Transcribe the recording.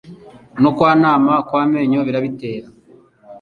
no kwanama kw'amenyo birabitera